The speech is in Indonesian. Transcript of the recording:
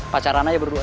pacaran aja berdua